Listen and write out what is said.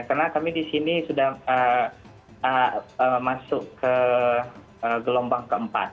karena kami di sini sudah masuk ke gelombang keempat